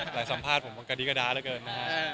หลายสัมภาษณ์ผมะกระดี้กระด๊ามากเกิน